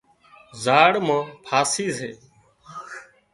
زاۯ مان پاسي سي